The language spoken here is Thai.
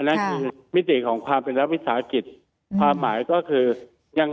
นั่นคือมิติของความเป็นรัฐวิสาหกิจความหมายก็คือยัง